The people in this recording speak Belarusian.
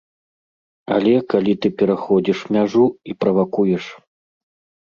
Але калі ты пераходзіш мяжу і правакуеш.